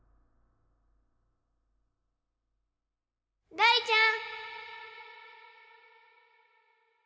大ちゃん！